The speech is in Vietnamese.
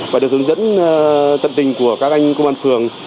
và được hướng dẫn tận tình của các anh công an phường